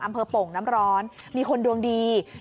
อำเภอโปร่งน้ำร้อนมีคนดวงดี